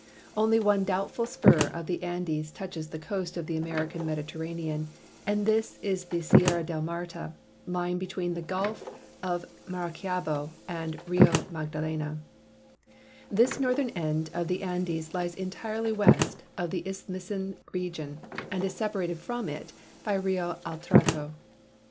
Oidy one doubtful s[»ur of the Andes touches the coast of the .Vmerican .Mediterranean, and this is the Sierra del Marta, 176 GEOGRAPHIC RELATION OF THE THREE AMERICAS lying between the gulf of Maracaibo and Rio ^lagdalena. This northern end of the Andes lies entirely west of the Isthmian region and is separated from it by Rio Atrato.